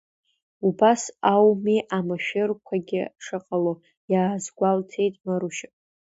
Убас ауми амашәырқәагьы шыҟало, иаазгәалҭеит Марушьа.